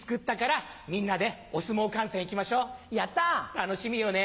楽しみよね